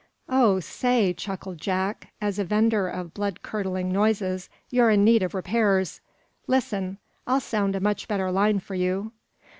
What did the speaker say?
"Oh, say," chuckled Jack, "as a vender of blood curdling noises you're in need of repairs. Listen! I'll sound a much better line for you!"